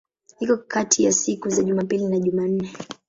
Iko kati ya siku za Jumapili na Jumanne.